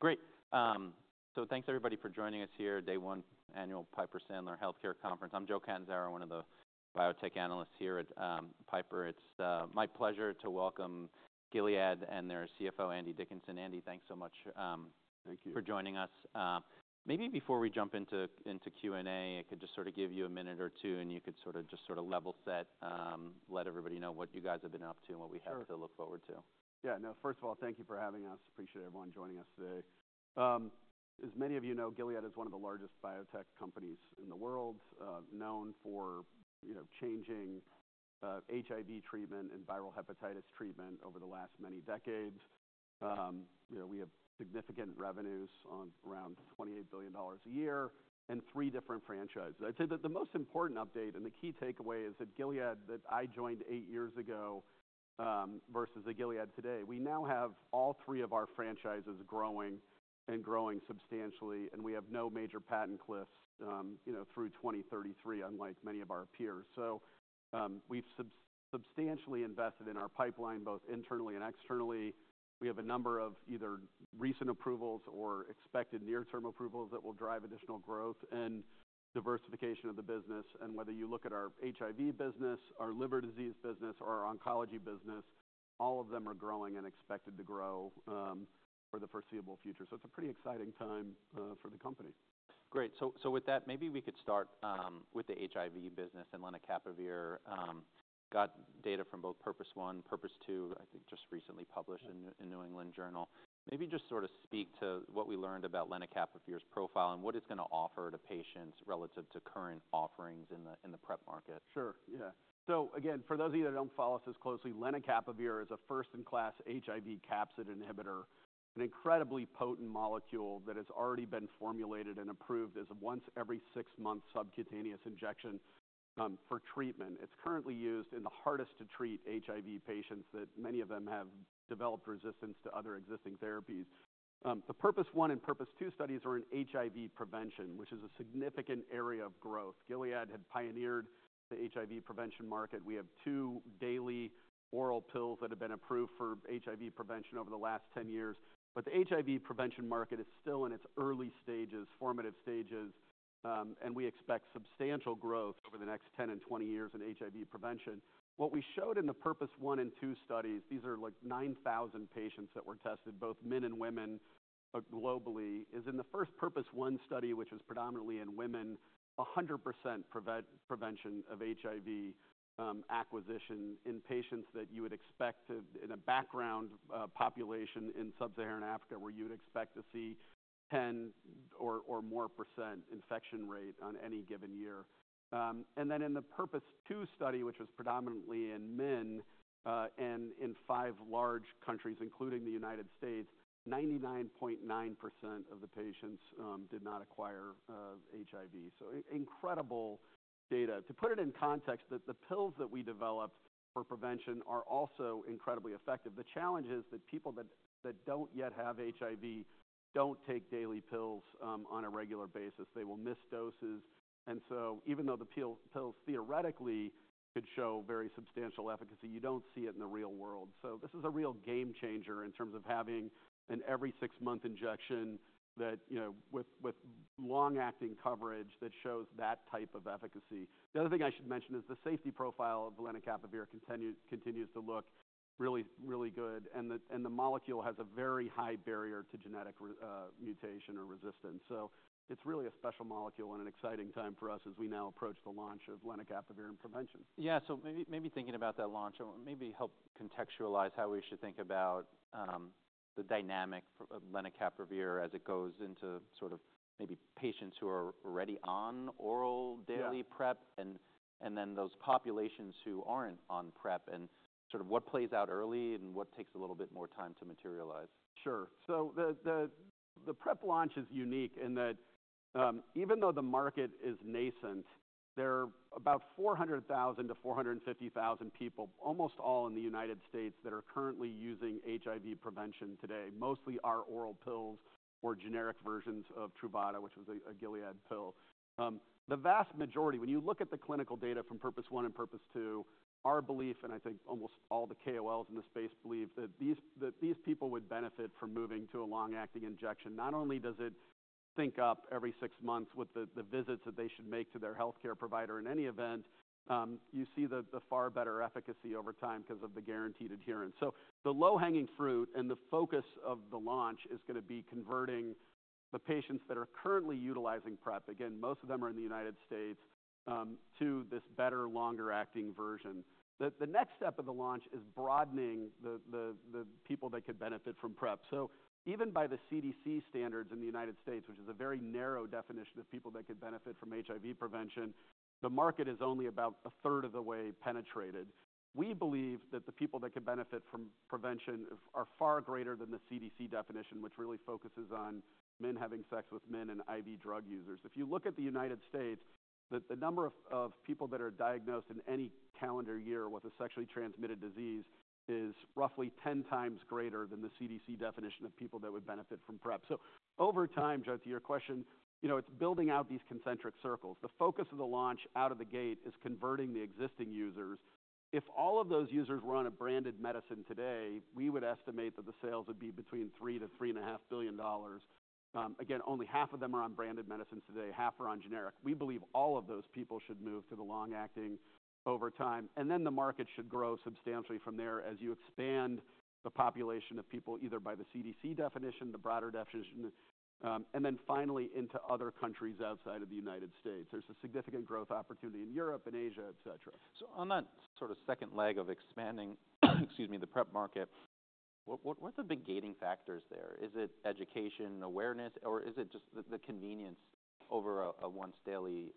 Great, so thanks everybody for joining us here at day one annual Piper Sandler healthcare conference. I'm Joe Catanzaro, one of the Biotech Analysts here at Piper. It's my pleasure to welcome Gilead and their CFO, Andy Dickinson. Andy, thanks so much. Thank you. For joining us. Maybe before we jump into Q&A, I could just sort of give you a minute or two and you could sort of level set, let everybody know what you guys have been up to and what we have. Sure. To look forward to. Yeah. No, first of all, thank you for having us. Appreciate everyone joining us today. As many of you know, Gilead is one of the largest biotech companies in the world, known for, you know, changing, HIV treatment and viral hepatitis treatment over the last many decades. You know, we have significant revenues on around $28 billion a year and three different franchises. I'd say that the most important update and the key takeaway is that Gilead that I joined eight years ago, versus the Gilead today, we now have all three of our franchises growing and growing substantially, and we have no major patent cliffs, you know, through 2033, unlike many of our peers. So, we've substantially invested in our pipeline both internally and externally. We have a number of either recent approvals or expected near-term approvals that will drive additional growth and diversification of the business. Whether you look at our HIV business, our liver disease business, or our oncology business, all of them are growing and expected to grow for the foreseeable future. It's a pretty exciting time for the company. Great. So with that, maybe we could start with the HIV business. Lenacapavir got data from both PURPOSE 1, PURPOSE 2, I think just recently published in New England Journal of Medicine. Maybe just sort of speak to what we learned about lenacapavir's profile and what it's gonna offer to patients relative to current offerings in the PrEP market. Sure. Yeah. So again, for those of you that don't follow us as closely, lenacapavir is a first-in-class HIV capsid inhibitor, an incredibly potent molecule that has already been formulated and approved as a once-every-six-month subcutaneous injection, for treatment. It's currently used in the hardest-to-treat HIV patients that many of them have developed resistance to other existing therapies. The PURPOSE 1 and PURPOSE 2 studies are in HIV prevention, which is a significant area of growth. Gilead had pioneered the HIV prevention market. We have two daily oral pills that have been approved for HIV prevention over the last 10 years. But the HIV prevention market is still in its early stages, formative stages, and we expect substantial growth over the next 10 and 20 years in HIV prevention. What we showed in the PURPOSE 1 and 2 studies, these are like 9,000 patients that were tested, both men and women, globally, is in the first PURPOSE 1 study, which was predominantly in women, 100% prevention of HIV acquisition in patients that you would expect to in a background population in sub-Saharan Africa where you would expect to see 10% or more infection rate on any given year, and then in the PURPOSE 2 study, which was predominantly in men, and in five large countries, including the United States, 99.9% of the patients did not acquire HIV. So incredible data. To put it in context, the pills that we developed for prevention are also incredibly effective. The challenge is that people that don't yet have HIV don't take daily pills on a regular basis. They will miss doses. Even though the pill, pills theoretically could show very substantial efficacy, you don't see it in the real world. This is a real game changer in terms of having an every six-month injection that, you know, with long-acting coverage that shows that type of efficacy. The other thing I should mention is the safety profile of lenacapavir continues to look really, really good. The molecule has a very high barrier to genetic resistance. It's really a special molecule and an exciting time for us as we now approach the launch of lenacapavir in prevention. Yeah. So maybe thinking about that launch and maybe help contextualize how we should think about the dynamic for lenacapavir as it goes into sort of maybe patients who are already on oral daily PrEP. Yeah. Those populations who aren't on PrEP and sort of what plays out early and what takes a little bit more time to materialize. Sure. So the PrEP launch is unique in that, even though the market is nascent, there are about 400,000 to 450,000 people, almost all in the United States, that are currently using HIV prevention today, mostly our oral pills or generic versions of Truvada, which was a Gilead pill. The vast majority, when you look at the clinical data from PURPOSE 1 and PURPOSE 2, our belief, and I think almost all the KOLs in the space believe that these people would benefit from moving to a long-acting injection. Not only does it sync up every six months with the visits that they should make to their healthcare provider in any event, you see the far better efficacy over time 'cause of the guaranteed adherence. So the low-hanging fruit and the focus of the launch is gonna be converting the patients that are currently utilizing PrEP, again, most of them are in the United States, to this better, longer-acting version. The next step of the launch is broadening the people that could benefit from PrEP. So even by the CDC standards in the United States, which is a very narrow definition of people that could benefit from HIV prevention, the market is only about a third of the way penetrated. We believe that the people that could benefit from prevention are far greater than the CDC definition, which really focuses on men having sex with men and IV drug users. If you look at the United States, the number of people that are diagnosed in any calendar year with a sexually transmitted disease is roughly 10 times greater than the CDC definition of people that would benefit from PrEP. So over time, Joe, to your question, you know, it's building out these concentric circles. The focus of the launch out of the gate is converting the existing users. If all of those users were on a branded medicine today, we would estimate that the sales would be between $3 billion-$3.5 billion. Again, only half of them are on branded medicines today, half are on generic. We believe all of those people should move to the long-acting over time. And then the market should grow substantially from there as you expand the population of people either by the CDC definition, the broader definition, and then finally into other countries outside of the United States. There's a significant growth opportunity in Europe and Asia, etc. So on that sort of second leg of expanding, excuse me, the PrEP market, what are the big gating factors there? Is it education, awareness, or is it just the convenience over a once-daily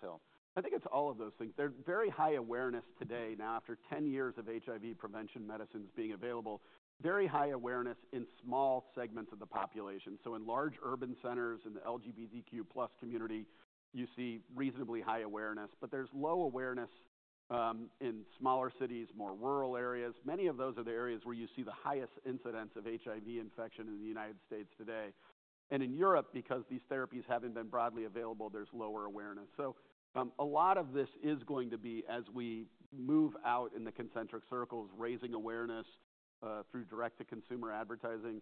pill? I think it's all of those things. There's very high awareness today. Now, after 10 years of HIV prevention medicines being available, very high awareness in small segments of the population. So in large urban centers in the LGBTQ+ community, you see reasonably high awareness. But there's low awareness in smaller cities, more rural areas. Many of those are the areas where you see the highest incidence of HIV infection in the United States today, and in Europe, because these therapies haven't been broadly available, there's lower awareness, so a lot of this is going to be, as we move out in the concentric circles, raising awareness through direct-to-consumer advertising.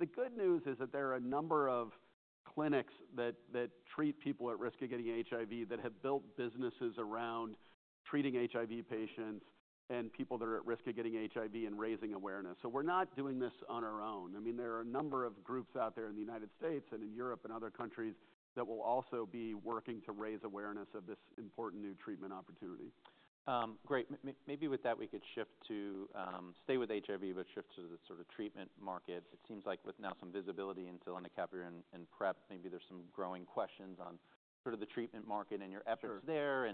The good news is that there are a number of clinics that treat people at risk of getting HIV that have built businesses around treating HIV patients and people that are at risk of getting HIV and raising awareness. So we're not doing this on our own. I mean, there are a number of groups out there in the United States and in Europe and other countries that will also be working to raise awareness of this important new treatment opportunity. Great. Maybe with that, we could shift to, stay with HIV but shift to the sort of treatment market. It seems like with now some visibility into lenacapavir and PrEP, maybe there's some growing questions on sort of the treatment market and your efforts there.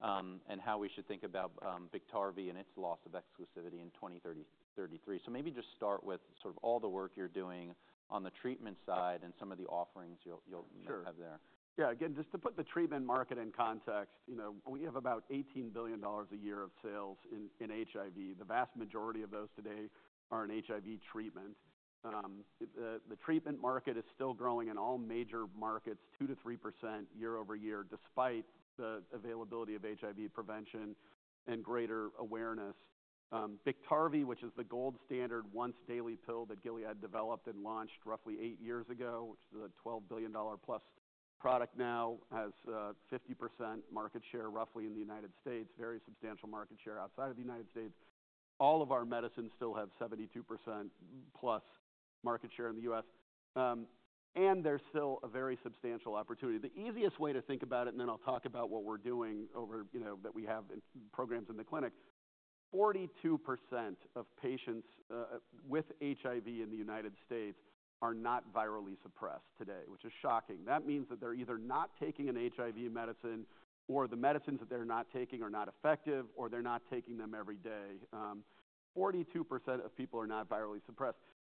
Sure. How we should think about Biktarvy and its loss of exclusivity in 2033. So maybe just start with sort of all the work you're doing on the treatment side and some of the offerings you'll have. Sure. There. Yeah. Again, just to put the treatment market in context, you know, we have about $18 billion a year of sales in HIV. The vast majority of those today are in HIV treatment. The treatment market is still growing in all major markets 2%-3% year-over-year, despite the availability of HIV prevention and greater awareness. Biktarvy, which is the gold standard once-daily pill that Gilead developed and launched roughly eight years ago, which is a $12 billion+ product now, has 50% market share roughly in the United States, very substantial market share outside of the United States. All of our medicines still have 72%+ market share in the U.S. And there's still a very substantial opportunity. The easiest way to think about it, and then I'll talk about what we're doing over, you know, that we have in programs in the clinic. 42% of patients with HIV in the United States are not virally suppressed today, which is shocking. That means that they're either not taking an HIV medicine or the medicines that they're not taking are not effective or they're not taking them every day. 42% of people are not virally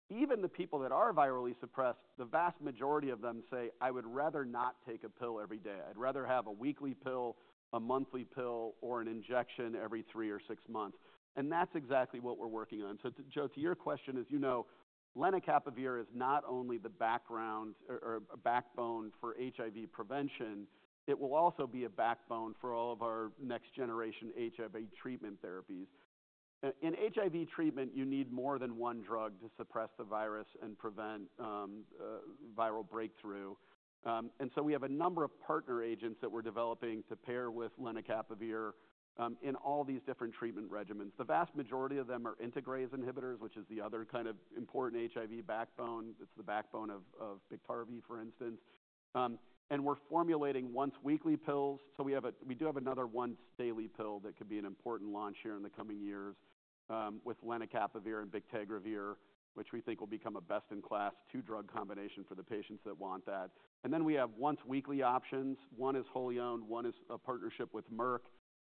suppressed. Even the people that are virally suppressed, the vast majority of them say, "I would rather not take a pill every day. I'd rather have a weekly pill, a monthly pill, or an injection every three or six months." And that's exactly what we're working on. So to Joe, to your question, as you know, lenacapavir is not only the background or a backbone for HIV prevention. It will also be a backbone for all of our next-generation HIV treatment therapies. In HIV treatment, you need more than one drug to suppress the virus and prevent viral breakthrough. So we have a number of partner agents that we're developing to pair with lenacapavir in all these different treatment regimens. The vast majority of them are integrase inhibitors, which is the other kind of important HIV backbone. It's the backbone of Biktarvy, for instance. We're formulating once-weekly pills. We do have another once-daily pill that could be an important launch here in the coming years, with lenacapavir and bictegravir, which we think will become a best-in-class two-drug combination for the patients that want that. And then we have once-weekly options. One is wholly owned. One is a partnership with Merck.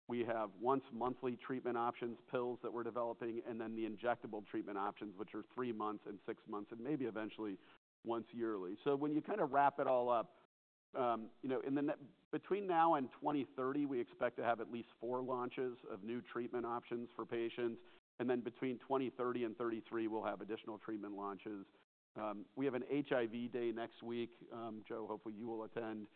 We have once-monthly treatment options, pills that we're developing, and then the injectable treatment options, which are three months and six months and maybe eventually once yearly. So when you kind of wrap it all up, you know, in the interim between now and 2030, we expect to have at least four launches of new treatment options for patients. And then between 2030 and 2033, we'll have additional treatment launches. We have an HIV Day next week, Joe. Hopefully you will attend,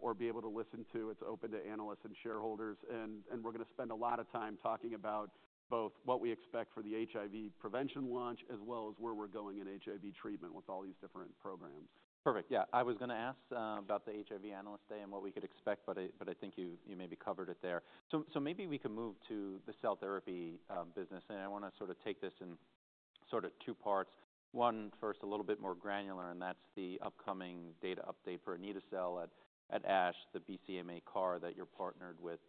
or be able to listen to. It's open to analysts and shareholders. And we're gonna spend a lot of time talking about both what we expect for the HIV prevention launch as well as where we're going in HIV treatment with all these different programs. Perfect. Yeah. I was gonna ask about the HIV Analyst Day and what we could expect, but I think you maybe covered it there. So maybe we could move to the cell therapy business. And I wanna sort of take this in sort of two parts. One first, a little bit more granular, and that's the upcoming data update for anito-cel at ASH, the BCMA CAR that you're partnered with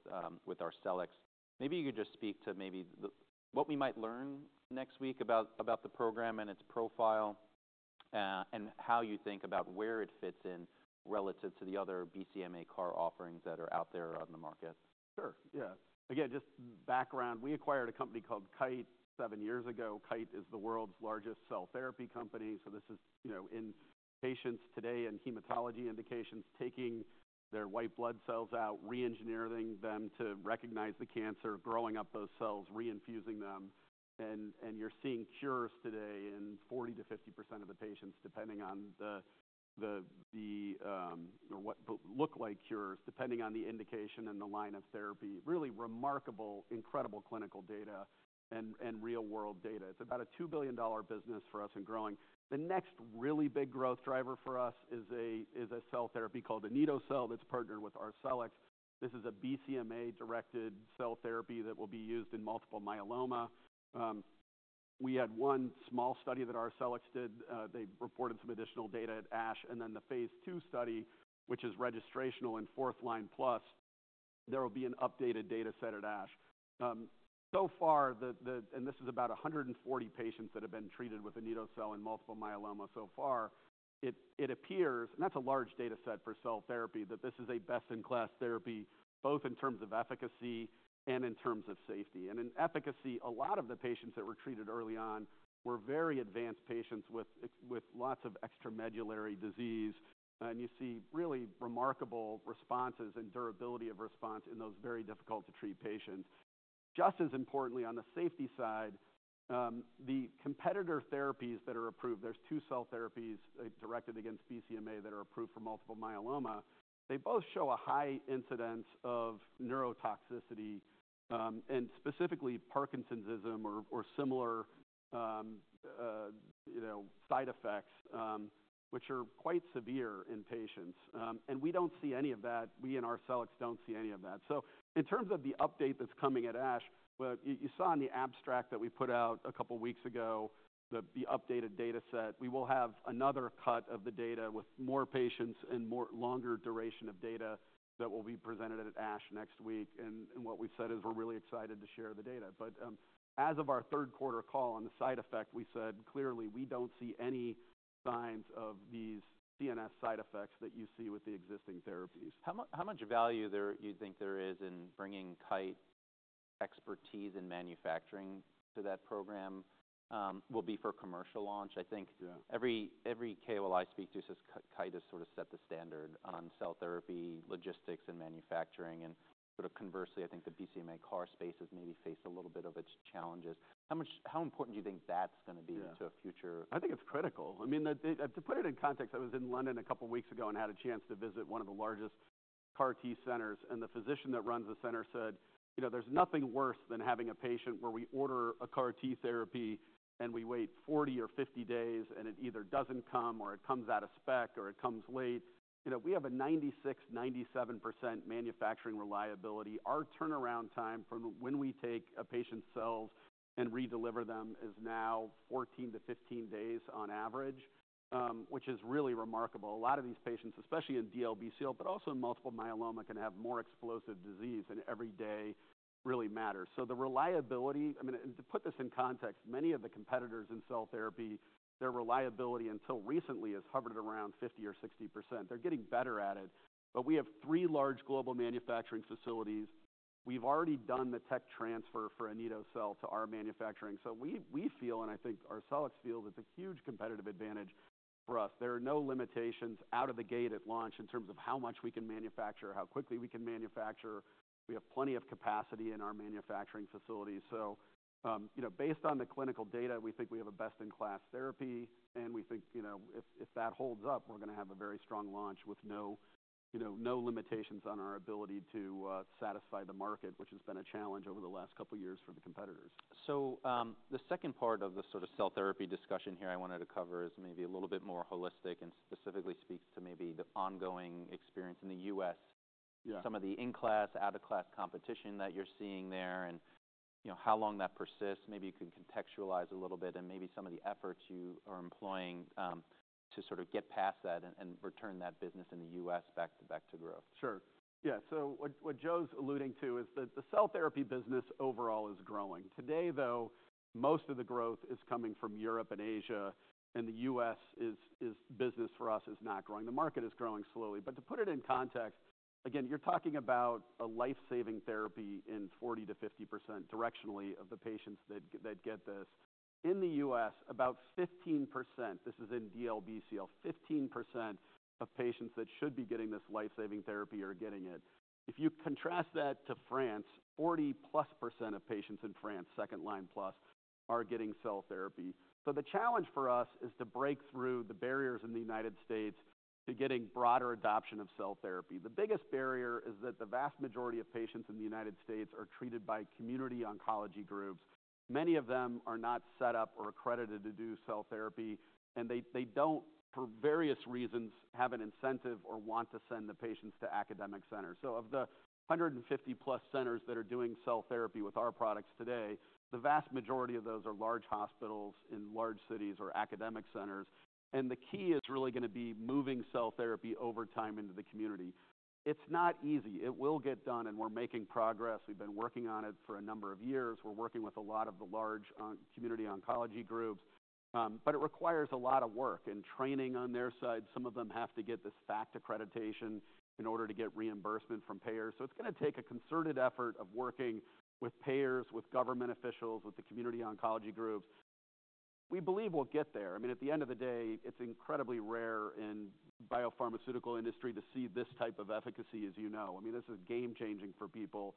Arcelix. Maybe you could just speak to maybe the what we might learn next week about the program and its profile, and how you think about where it fits in relative to the other BCMA CAR offerings that are out there on the market. Sure. Yeah. Again, just background, we acquired a company called Kite seven years ago. Kite is the world's largest cell therapy company. So this is, you know, in patients today and hematology indications, taking their white blood cells out, re-engineering them to recognize the cancer, growing up those cells, re-infusing them. And you're seeing cures today in 40%-50% of the patients, depending on the indication or what look like cures, depending on the indication and the line of therapy. Really remarkable, incredible clinical data and real-world data. It's about a $2 billion business for us and growing. The next really big growth driver for us is a cell therapy called anito-cel that's partnered with Arcelix. This is a BCMA-directed cell therapy that will be used in multiple myeloma. We had one small study that Arcelix did. They reported some additional data at ASH, and then the phase two study, which is registrational and fourth line plus, there will be an updated data set at ASH. So far, and this is about 140 patients that have been treated with anito-cel in multiple myeloma so far. It appears, and that's a large data set for cell therapy, that this is a best-in-class therapy, both in terms of efficacy and in terms of safety, and in efficacy, a lot of the patients that were treated early on were very advanced patients with lots of extramedullary disease, and you see really remarkable responses and durability of response in those very difficult-to-treat patients. Just as importantly, on the safety side, the competitor therapies that are approved, there's two cell therapies directed against BCMA that are approved for multiple myeloma. They both show a high incidence of neurotoxicity, and specifically Parkinsonism or similar, you know, side effects, which are quite severe in patients. And we don't see any of that. We in Arcelix don't see any of that. So in terms of the update that's coming at ASH, well, you saw in the abstract that we put out a couple weeks ago, the updated data set, we will have another cut of the data with more patients and more longer duration of data that will be presented at ASH next week. And what we've said is we're really excited to share the data. But as of our third quarter call on the side effect, we said clearly we don't see any signs of these CNS side effects that you see with the existing therapies. How much value do you think there is in bringing Kite's expertise in manufacturing to that program that will be for commercial launch? I think. Yeah. Every KOL I speak to says, Kite has sort of set the standard on cell therapy logistics and manufacturing. Sort of conversely, I think the BCMA CAR space has maybe faced a little bit of its challenges. How important do you think that's gonna be in the future? Yeah. I think it's critical. I mean, to put it in context, I was in London a couple weeks ago and had a chance to visit one of the largest CAR T centers. And the physician that runs the center said, you know, there's nothing worse than having a patient where we order a CAR T therapy and we wait 40 or 50 days, and it either doesn't come or it comes out of spec or it comes late. You know, we have a 96%-97% manufacturing reliability. Our turnaround time from when we take a patient's cells and redeliver them is now 14-15 days on average, which is really remarkable. A lot of these patients, especially in DLBCL, but also in multiple myeloma, can have more explosive disease, and every day really matters. The reliability, I mean, and to put this in context, many of the competitors in cell therapy, their reliability until recently has hovered around 50% or 60%. They're getting better at it. We have three large global manufacturing facilities. We've already done the tech transfer for anito-cel to our manufacturing. We feel, and I think Arcelix feels, it's a huge competitive advantage for us. There are no limitations out of the gate at launch in terms of how much we can manufacture, how quickly we can manufacture. We have plenty of capacity in our manufacturing facilities. You know, based on the clinical data, we think we have a best-in-class therapy. We think, you know, if that holds up, we're gonna have a very strong launch with no, you know, no limitations on our ability to satisfy the market, which has been a challenge over the last couple years for the competitors. So, the second part of the sort of cell therapy discussion here I wanted to cover is maybe a little bit more holistic and specifically speaks to maybe the ongoing experience in the U.S. Yeah. Some of the in-class, out-of-class competition that you're seeing there and, you know, how long that persists. Maybe you could contextualize a little bit and maybe some of the efforts you are employing, to sort of get past that and return that business in the U.S. back to growth. Sure. Yeah. So what Joe's alluding to is that the cell therapy business overall is growing. Today, though, most of the growth is coming from Europe and Asia. And the U.S. business for us is not growing. The market is growing slowly. But to put it in context, again, you're talking about a lifesaving therapy in 40%-50% directionally of the patients that get this. In the U.S., about 15%, this is in DLBCL, 15% of patients that should be getting this lifesaving therapy are getting it. If you contrast that to France, 40+% of patients in France, second line plus, are getting cell therapy. So the challenge for us is to break through the barriers in the United States to getting broader adoption of cell therapy. The biggest barrier is that the vast majority of patients in the United States are treated by community oncology groups. Many of them are not set up or accredited to do cell therapy. And they don't, for various reasons, have an incentive or want to send the patients to academic centers. So of the 150+ centers that are doing cell therapy with our products today, the vast majority of those are large hospitals in large cities or academic centers. And the key is really gonna be moving cell therapy over time into the community. It's not easy. It will get done. And we're making progress. We've been working on it for a number of years. We're working with a lot of the large, community oncology groups. But it requires a lot of work and training on their side. Some of them have to get this FACT accreditation in order to get reimbursement from payers. So it's gonna take a concerted effort of working with payers, with government officials, with the community oncology groups. We believe we'll get there. I mean, at the end of the day, it's incredibly rare in the biopharmaceutical industry to see this type of efficacy, as you know. I mean, this is game-changing for people.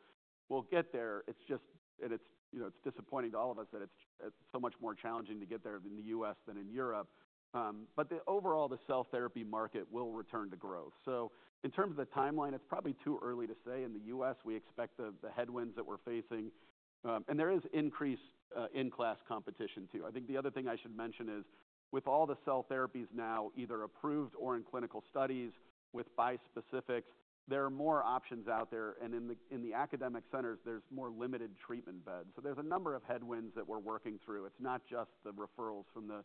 We'll get there. It's just, and it's, you know, it's disappointing to all of us that it's, it's so much more challenging to get there in the U.S. than in Europe. But the overall, the cell therapy market will return to growth. So in terms of the timeline, it's probably too early to say. In the U.S., we expect the, the headwinds that we're facing. And there is increased, in-class competition too. I think the other thing I should mention is with all the cell therapies now either approved or in clinical studies with bispecifics, there are more options out there. And in the academic centers, there's more limited treatment beds. So there's a number of headwinds that we're working through. It's not just the referrals from the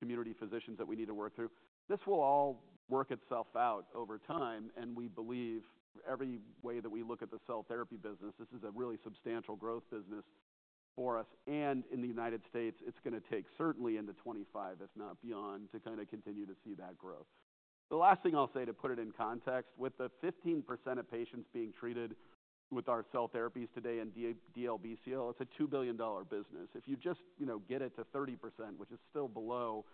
community physicians that we need to work through. This will all work itself out over time. And we believe every way that we look at the cell therapy business, this is a really substantial growth business for us. And in the United States, it's gonna take certainly into 2025, if not beyond, to kind of continue to see that growth. The last thing I'll say to put it in context, with the 15% of patients being treated with our cell therapies today in DLBCL, it's a $2 billion business. If you just, you know, get it to 30%, which is still below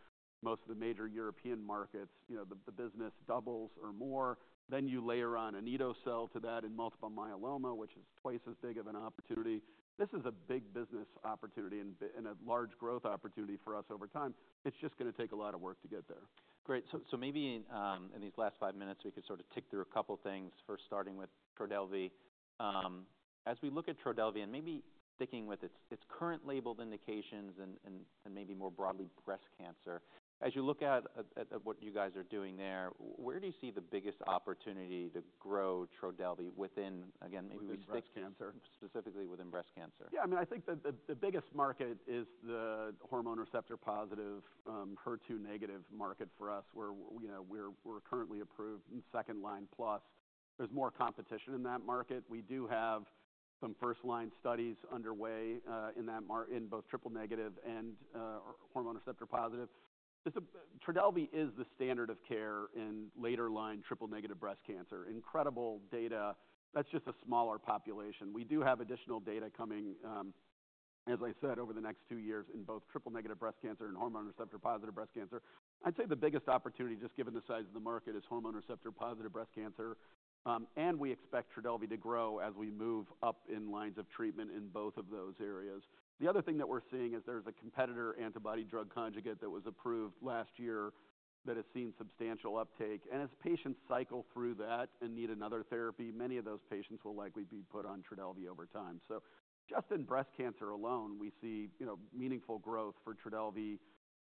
most of the major European markets, you know, the business doubles or more, then you layer on anito-cel to that in multiple myeloma, which is twice as big of an opportunity. This is a big business opportunity and a large growth opportunity for us over time. It's just gonna take a lot of work to get there. Great. So maybe in these last five minutes, we could sort of tick through a couple things, first starting with Trodelvy. As we look at Trodelvy and maybe sticking with its current labeled indications and maybe more broadly breast cancer, as you look at what you guys are doing there, where do you see the biggest opportunity to grow Trodelvy within, again, maybe we stick. Breast cancer. Specifically within breast cancer. Yeah. I mean, I think the biggest market is the hormone receptor-positive, HER2-negative market for us where, you know, we're currently approved in second line plus. There's more competition in that market. We do have some first line studies underway, in that market in both triple-negative and hormone receptor-positive. Trodelvy is the standard of care in later line triple-negative breast cancer. Incredible data. That's just a smaller population. We do have additional data coming, as I said, over the next two years in both triple-negative breast cancer and hormone receptor-positive breast cancer. I'd say the biggest opportunity, just given the size of the market, is hormone receptor-positive breast cancer, and we expect Trodelvy to grow as we move up in lines of treatment in both of those areas. The other thing that we're seeing is there's a competitor antibody drug conjugate that was approved last year that has seen substantial uptake. And as patients cycle through that and need another therapy, many of those patients will likely be put on Trodelvy over time. So just in breast cancer alone, we see, you know, meaningful growth for Trodelvy.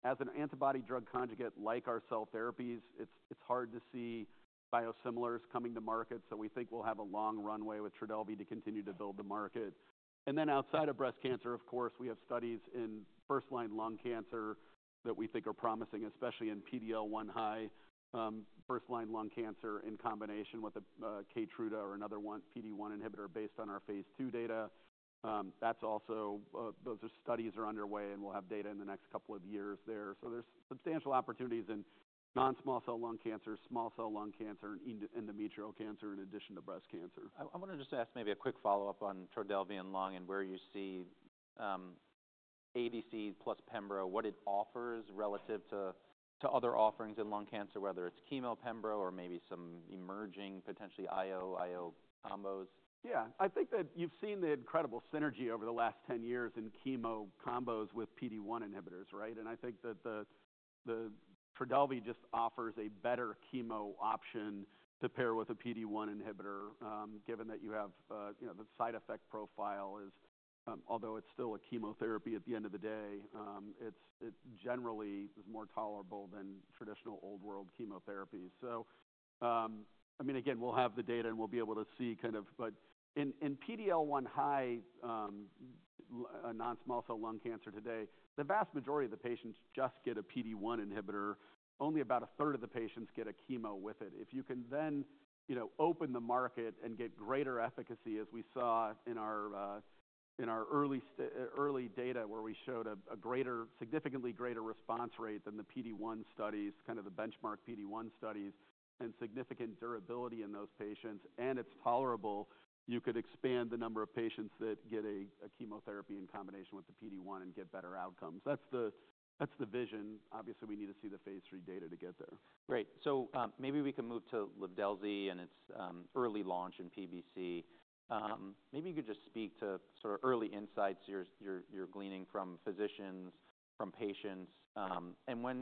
As an antibody drug conjugate like our cell therapies, it's hard to see biosimilars coming to market. So we think we'll have a long runway with Trodelvy to continue to build the market. And then outside of breast cancer, of course, we have studies in first line lung cancer that we think are promising, especially in PD-L1 high, first line lung cancer in combination with a, Keytruda or another one, PD-1 inhibitor based on our phase two data. That's also; those studies are underway, and we'll have data in the next couple of years there. So there's substantial opportunities in non-small cell lung cancer, small cell lung cancer, and endometrial cancer in addition to breast cancer. I wanna just ask maybe a quick follow-up on Trodelvy and lung and where you see, ADC plus Pembro, what it offers relative to other offerings in lung cancer, whether it's chemo Pembro or maybe some emerging potentially IO combos. Yeah. I think that you've seen the incredible synergy over the last 10 years in chemo combos with PD-1 inhibitors, right? And I think that the Trodelvy just offers a better chemo option to pair with a PD-1 inhibitor, given that you have, you know, the side effect profile is, although it's still a chemotherapy at the end of the day, it's generally more tolerable than traditional old-world chemotherapy. So, I mean, again, we'll have the data and we'll be able to see kind of, but in PD-L1 high, non-small cell lung cancer today, the vast majority of the patients just get a PD-1 inhibitor. Only about a third of the patients get a chemo with it. If you can then, you know, open the market and get greater efficacy as we saw in our early data where we showed a significantly greater response rate than the PD-1 studies, kind of the benchmark PD-1 studies and significant durability in those patients and it's tolerable, you could expand the number of patients that get a chemotherapy in combination with the PD-1 and get better outcomes. That's the vision. Obviously, we need to see the phase three data to get there. Great. So, maybe we can move to Livdelzi and its early launch in PBC. Maybe you could just speak to sort of early insights you're gleaning from physicians, from patients, and what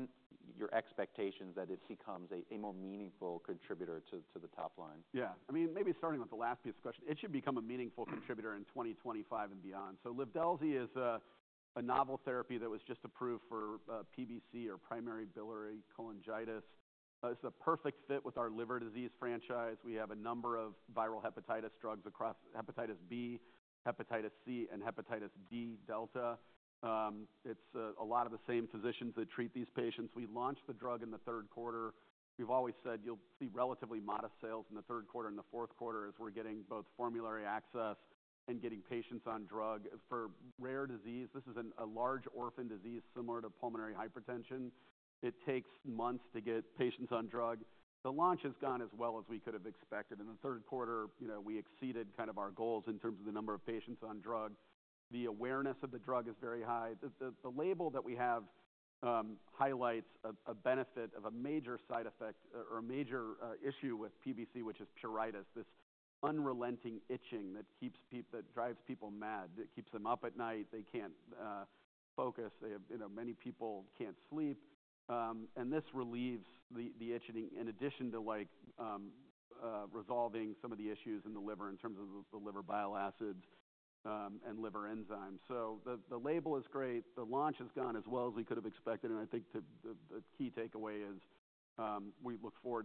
your expectations that it becomes a more meaningful contributor to the top line. Yeah. I mean, maybe starting with the last piece of question, it should become a meaningful contributor in 2025 and beyond. So Livdelzi is a novel therapy that was just approved for PBC or primary biliary cholangitis. It's a perfect fit with our liver disease franchise. We have a number of viral hepatitis drugs across hepatitis B, hepatitis C, and hepatitis D delta. It's a lot of the same physicians that treat these patients. We launched the drug in the third quarter. We've always said you'll see relatively modest sales in the third quarter and the fourth quarter as we're getting both formulary access and getting patients on drug. For rare disease, this is a large orphan disease similar to pulmonary hypertension. It takes months to get patients on drug. The launch has gone as well as we could have expected. In the third quarter, you know, we exceeded kind of our goals in terms of the number of patients on drug. The awareness of the drug is very high. The label that we have highlights a benefit of a major side effect, or a major issue with PBC, which is pruritus, this unrelenting itching that keeps people that drives people mad. It keeps them up at night. They can't focus. They have, you know, many people can't sleep. And this relieves the itching in addition to, like, resolving some of the issues in the liver in terms of the liver bile acids, and liver enzymes. So the label is great. The launch has gone as well as we could have expected. And I think the key takeaway is, we look forward.